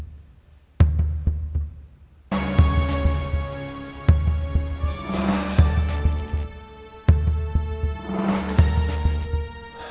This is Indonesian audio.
semuanya terasa gelap